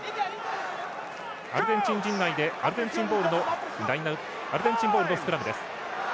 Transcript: アルゼンチン陣内でアルゼンチンボールのスクラムです。